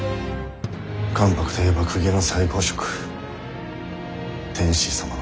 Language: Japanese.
関白といえば公家の最高職天子様の次。